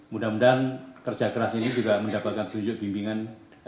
mudah mudahan kerja keras ini juga mendapatkan tunjuk bimbingan